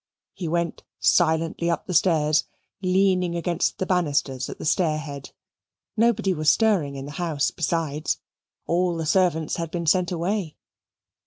He went silently up the stairs, leaning against the banisters at the stair head. Nobody was stirring in the house besides all the servants had been sent away.